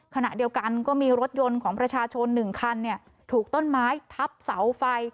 ขณะเดียวกันก็มีรถยนต์ของประชาชน๑คันถูกต้นไม้ทับเสาไฟ